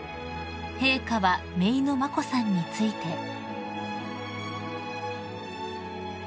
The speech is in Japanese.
［陛下はめいの眞子さんについて］